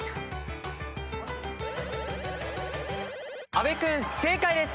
阿部君正解です。